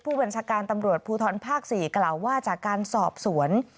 ผู้บัญชาการตำรวจภูทรภาค๔กล่าวว่าจากการสอบสวน